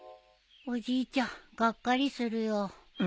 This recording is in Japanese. おじいちゃんがっかりするよ。